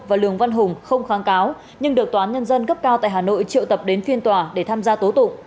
và lường văn hùng không kháng cáo nhưng được tòa án nhân dân cấp cao tại hà nội triệu tập đến phiên tòa để tham gia tố tụng